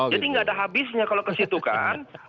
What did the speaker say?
jadi gak ada habisnya kalau ke situ kan